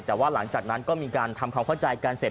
แต่ว่าหลังจากนั้นก็มีการทำความเข้าใจกันเสร็จ